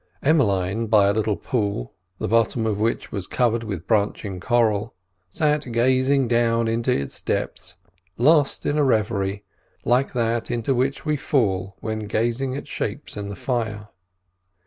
Emmeline, by a little pool the bottom of which was covered with branching coral, sat gazing down into its depths, lost in a reverie like that into which we fall when gazing at shapes in the fire.